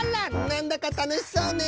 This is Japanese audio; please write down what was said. なんだかたのしそうね！